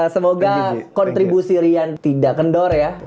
semoga kontribusi rian tidak kendor ya